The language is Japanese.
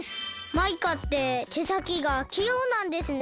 マイカっててさきがきようなんですね。